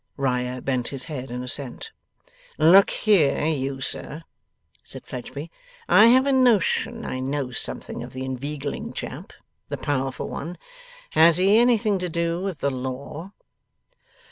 Riah bent his head in assent. 'Look here, you sir,' said Fledgeby. 'I have a notion I know something of the inveigling chap, the powerful one. Has he anything to do with the law?